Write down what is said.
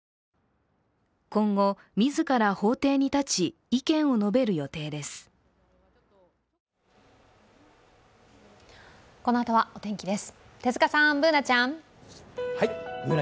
今後、自ら法廷に立ち意見を述べる予定です。